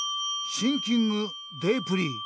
シンキングデープリー。